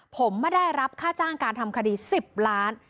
ผมไม่ได้รับค่าจ้างการทำคดี๑๐ล้าน